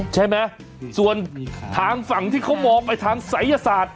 ใช่ไหมส่วนทางฝั่งที่เขามองไปทางศัยศาสตร์